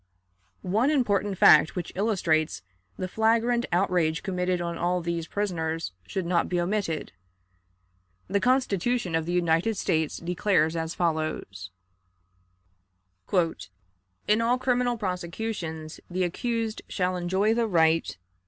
One important fact which illustrates the flagrant outrage committed on all these prisoners should not be omitted. The Constitution of the United States declares as follows: "In all criminal prosecutions, the accused shall enjoy the right